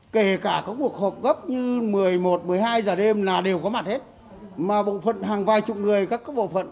kể cả các cuộc họp gấp như một mươi một một mươi hai giờ đêm là đều có mặt hết mà bộ phận hàng vài chục người các bộ phận